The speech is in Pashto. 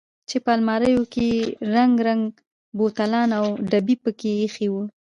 چې په الماريو کښې يې رنګ رنګ بوتلان او ډبکې پکښې ايښي وو.